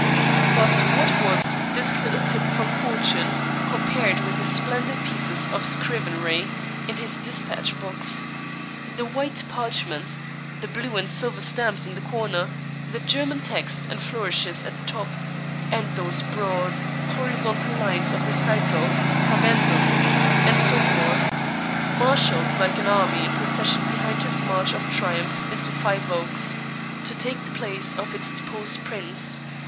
But what was this little tip from fortune, compared with the splendid pieces of scrivenery in his despatch box. The white parchment the blue and silver stamps in the corner the German text and flourishes at the top, and those broad, horizontal lines of recital, `habendum,' and so forth marshalled like an army in procession behind his march of triumph into Five Oaks, to take the place of its deposed prince?